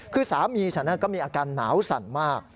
คือสามีฉันก็มีอาการหนาวสั่นมาก